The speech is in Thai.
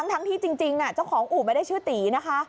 ทั้งที่จริงเจ้าของอู่ไม่ได้ชื่อตีนะคะ